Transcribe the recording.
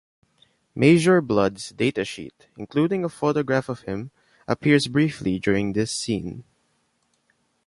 Major Bludd's data sheet, including a photograph of him, appears briefly during this scene.